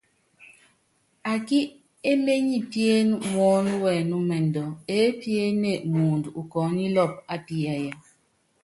Akí éményi piéné muɔ́nɔ́wɛnúmɛndú, emépíéne muundɔ ukɔɔ́nílɔpɔ ápiyáya.